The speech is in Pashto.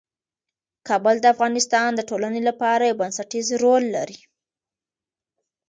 کابل د افغانستان د ټولنې لپاره یو بنسټيز رول لري.